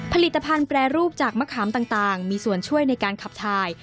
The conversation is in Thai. ผลิตภัณฑ์แปรรูปจากมะขามต่างมีส่วนช่วยในการขับถ่าย